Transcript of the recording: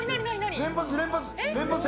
連発連発。